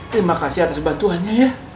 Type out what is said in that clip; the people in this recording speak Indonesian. terima kasih atas bantuan nya ya